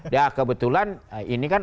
ya kebetulan ini kan